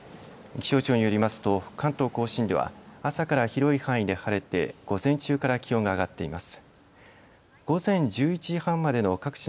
気象庁によりますと関東甲信では朝から広い範囲で晴れて午前中から気温が上がっています。